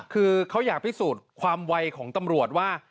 คือเขาอยากพิสูจน์ความไวของตำรวจว่า